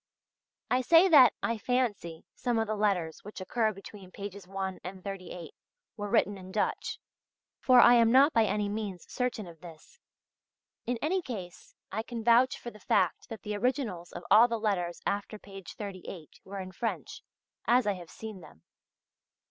I say that "I fancy" some of the letters which occur between pages 1 and 38 were written in Dutch; for I am not by any means certain of this. In any case I can vouch for the fact that the originals of all the letters after page 38 were in French, as I have seen them.